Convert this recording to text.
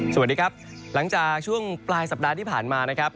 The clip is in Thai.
สวัสดีครับหลังจากช่วงปลายสัปดาห์ที่ผ่านมานะครับ